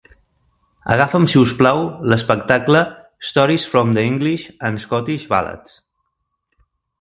Agafa'm si us plau l'espectacle Stories from the English and Scottish Ballads.